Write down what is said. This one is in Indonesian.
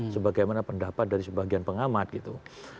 sebagaimana pendapat dari sebagian pengamat gitu